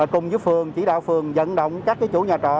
cùng với phường chỉ đạo phường dẫn động các chủ nhà trọ